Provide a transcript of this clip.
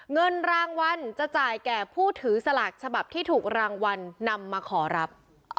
เงินรางวัลจะจ่ายแก่ผู้ถือสลากฉบับที่ถูกรางวัลนำมาขอรับ